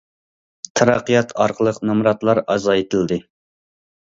تەرەققىيات ئارقىلىق نامراتلار ئازايتىلدى.